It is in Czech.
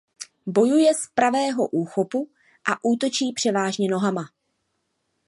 Bojuje z pravého úchopu a útočí převážně nohama.